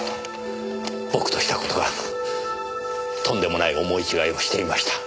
僕としたことがとんでもない思い違いをしていました。